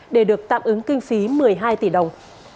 để được tạm ứng kinh phí một mươi hai tỷ đồng